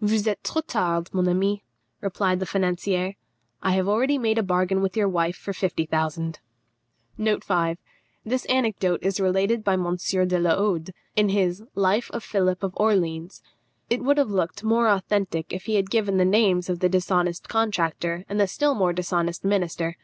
"Vous êtes trop tard, mon ami," replied the financier; "I have already made a bargain with your wife for fifty thousand." This anecdote is related by M. de la Hode, in his Life of Philippe of Orleans. It would have looked more authentic if he had given the names of the dishonest contractor and the still more dishonest minister.